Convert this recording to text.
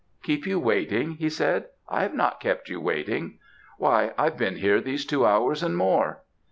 "'Keep you waiting!' he said; 'I have not kept you waiting.' "'Why, I've been here these two hours and more.'